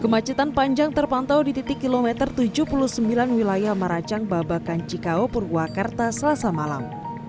kemacetan panjang terpantau di titik kilometer tujuh puluh sembilan wilayah maracang babakan cikau purwakarta selasa malam